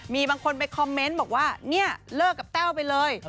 มีบางคนไปคอมเมนต์บอกว่าเนี่ยเลิกกับแต้วไปเลย